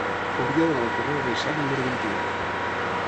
Hauria d'anar al carrer de Reixac número vint-i-u.